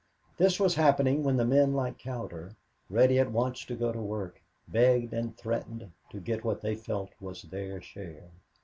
This was happening when men like Cowder, ready at once to go to work, begged and threatened to get what they felt was their share.